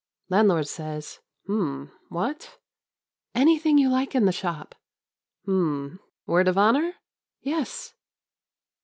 Landlord says, "Hm! what?" "Anything you like in the shop." "Hm, word of honor?" "Yes."